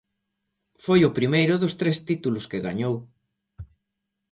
Foi o primeiro dos tres títulos que gañou.